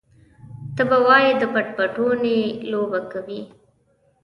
ته به وايې د پټ پټوني لوبه کوي.